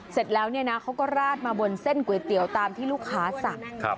เสร็จแล้วเนี่ยนะเขาก็ราดมาบนเส้นก๋วยเตี๋ยวตามที่ลูกค้าสั่ง